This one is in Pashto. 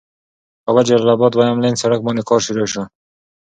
کابل جلال آباد دويم لين سړک باندې کار شروع شوي.